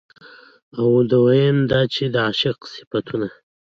او دويم دا چې د عاشق د صفتونو